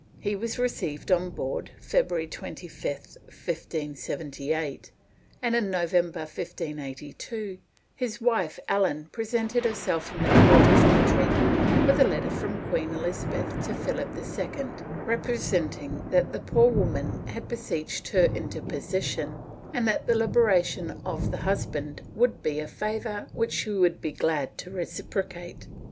He was received on board, February 25, 1578 and, in November 1582, his wife Ellen presented herself in the court of Madrid, with a letter from Queen Elizabeth to Philip II, representing that the poor woman had beseeched her interposition, and that the liberation of the husband would be a favor which she would be glad to reciprocate.